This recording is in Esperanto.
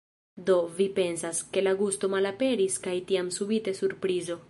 Do, vi pensas, ke la gusto malaperis kaj tiam subite surprizo